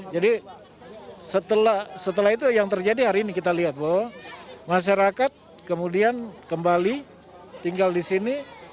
jadi setelah itu yang terjadi hari ini kita lihat bahwa masyarakat kemudian kembali tinggal di sini